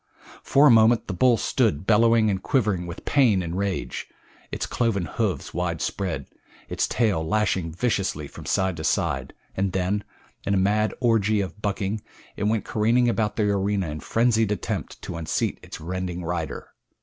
For a moment the bull stood bellowing and quivering with pain and rage, its cloven hoofs widespread, its tail lashing viciously from side to side, and then, in a mad orgy of bucking it went careening about the arena in frenzied attempt to unseat its rending rider.